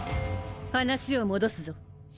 話を戻すぞ。